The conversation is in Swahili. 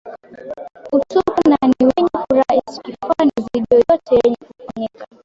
Utupu na ni wenye furaha isiyo kifani izidiyo yote yenye kufanyika